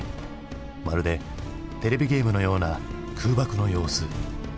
まるでテレビゲームのような空爆の様子。